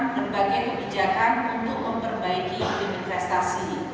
membagi kebijakan untuk memperbaiki investasi